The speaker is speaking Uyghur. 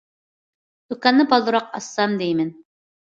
دۇكاننى بالدۇرراق ئاچسام دەيمەن.